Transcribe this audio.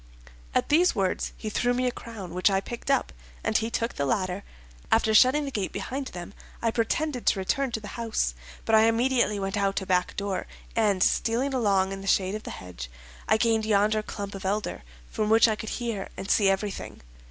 At these words he threw me a crown, which I picked up, and he took the ladder. After shutting the gate behind them, I pretended to return to the house, but I immediately went out a back door, and stealing along in the shade of the hedge, I gained yonder clump of elder, from which I could hear and see everything.